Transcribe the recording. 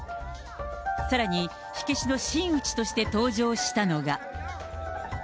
さらに、火消しの真打として登場したのが。